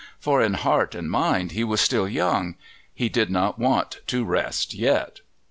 For in heart and mind he was still young; he did not want to rest yet.